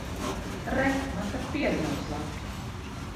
Re, man pat piere nav slapja.